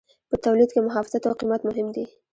په تولید کې محافظت او قیمت مهم دي.